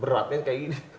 beratnya kayak gini